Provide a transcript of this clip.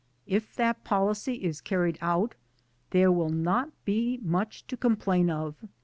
If that policy is carried out there will not be much to complain of.